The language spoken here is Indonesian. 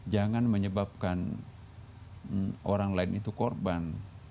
jangan menyebabkan orang lain itu korban